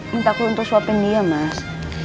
minta aku untuk suapin dia mas